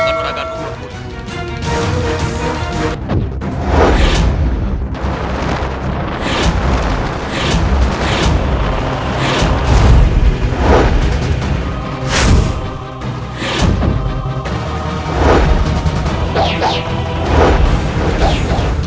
kita akan meragamu